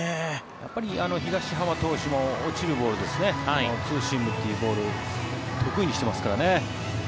東浜投手も落ちるボールツーシームというボール得意にしていますからね。